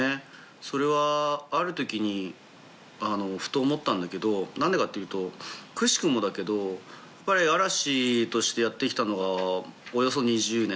それはある時にふと思ったんだけど何でかっていうとくしくもだけどやっぱり嵐としてやって来たのがおよそ２０年。